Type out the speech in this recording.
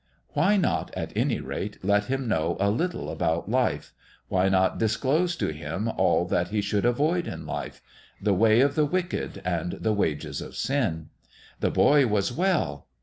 Why not, at any rate, let him know a little about life ? Why not disclose to him all that he should avoid in life ? the way of the wicked and the wages of sin. The boy was well.